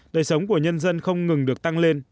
đời sống của nhân dân không ngừng được tăng lên